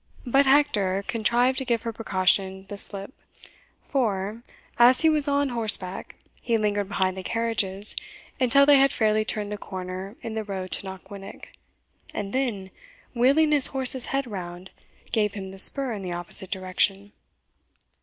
But Hector contrived to give her precaution the slip, for, as he was on horseback, he lingered behind the carriages until they had fairly turned the corner in the road to Knockwinnock, and then, wheeling his horse's head round, gave him the spur in the opposite direction.